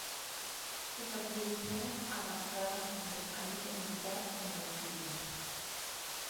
Sus atribuciones abarcaron tanto el ámbito militar como el civil.